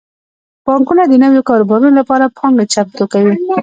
بانکونه د نویو کاروبارونو لپاره پانګه چمتو کوي.